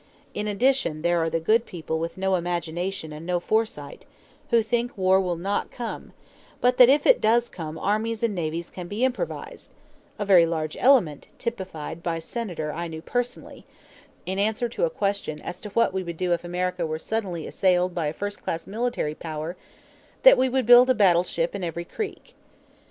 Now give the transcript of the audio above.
In addition there are the good people with no imagination and no foresight, who think war will not come, but that if it does come armies and navies can be improvised a very large element, typified by a Senator I knew personally who, in a public speech, in answer to a question as to what we would do if America were suddenly assailed by a first class military power, answered that "we would build a battle ship in every creek."